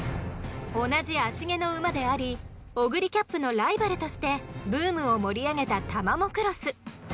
同じ芦毛の馬でありオグリキャップのライバルとしてブームを盛り上げたタマモクロス。